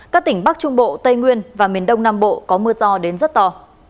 các tỉnh bắc trung bộ tây nguyên và miền đông nam bộ có mưa to đến rất to